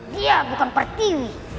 dia bukan pertiwi